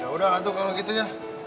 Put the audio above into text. ya udah tuh kalau gitu ya